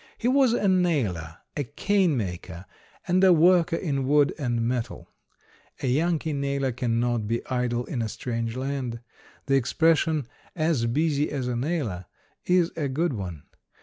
He was a nailer, a cane maker, and a worker in wood and metal. A Yankee nailer cannot be idle in a strange land. The expression, "as busy as a nailer," is a good one.